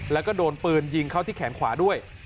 แล้วก็โดนปืนยิงเข้าที่แขนขวาด้วย